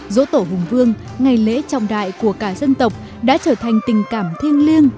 dỗ tổ hùng vương ngày lễ trọng đại của cả dân tộc đã trở thành tình cảm thiêng liêng